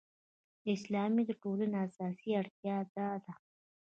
د اسلامي ټولنو اساسي اړتیا دا ده.